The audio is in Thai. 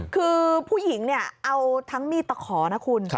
คือผู้หญิงเนี่ยเอาทั้งมีดตะขอนะคุณ